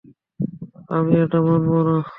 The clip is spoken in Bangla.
আমি এটা মানব না।